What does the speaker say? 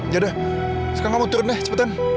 yaudah sekarang kamu turun deh cepetan